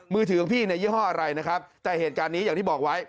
มือถือของพี่ในยี่ห้ออะไรนะครับแต่เหตุการณ์นี้อย่างที่บอกไว้